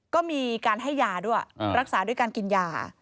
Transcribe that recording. ก็มีการให้ยาด้วยรักษาด้วยการกินยา